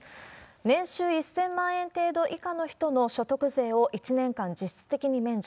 年収１０００万円程度以下の人の所得税を１年間実質的に免除。